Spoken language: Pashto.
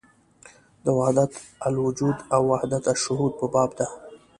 د وحدت الوجود او وحدت الشهود په باب ده.